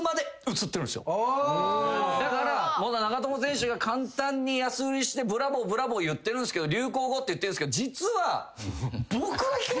だから長友選手が簡単に安売りして「ブラボー！」言ってるんすけど流行語って言ってるんすけど。